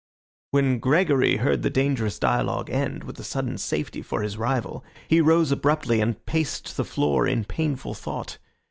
When Gregory heard the dangerous dialogue end, with a sudden safety for his rival, he rose abruptly and paced the floor in painful thought.